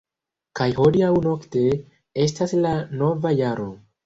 - Kaj hodiaŭ-nokte estas la nova jaro!